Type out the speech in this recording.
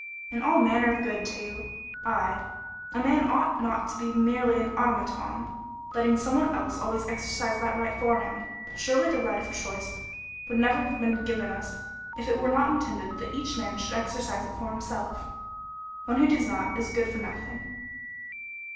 "And all manner of good, too. I a man ought not to be merely an automaton, letting some one else always exercise that right for him. Surely the right of choice would never have been given us if it were not intended that each man should exercise it for himself. One who does not is good for nothing."